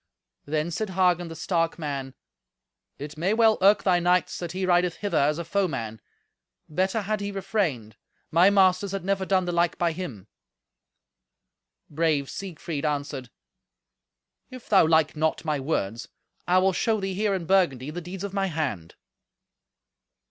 Then said Hagen the stark man, "It may well irk thy knights that he rideth hither as a foeman. Better had he refrained. My masters had never done the like by him." Brave Siegfried answered, "If thou like not my words, I will show thee here, in Burgundy, the deeds of my hand."